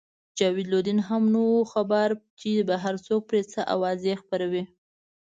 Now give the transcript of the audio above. جاوید لودین هم نه وو خبر چې بهر څوک پرې څه اوازې خپروي.